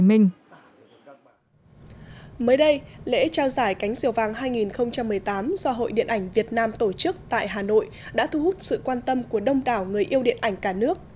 mới đây lễ trao giải cánh diều vàng hai nghìn một mươi tám do hội điện ảnh việt nam tổ chức tại hà nội đã thu hút sự quan tâm của đông đảo người yêu điện ảnh cả nước